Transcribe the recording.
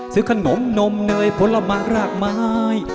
ซื้อขนมนมเนยผลไม้รากไม้